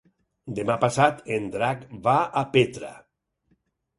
Demà passat en Drac va a Petra.